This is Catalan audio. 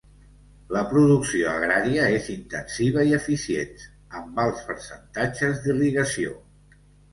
La producció agrària és intensiva i eficients, amb alts percentatges d'irrigació.